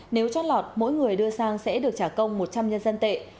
nếu chót lọt mỗi người đưa sang sẽ được trả công một trăm linh nhân dân tệ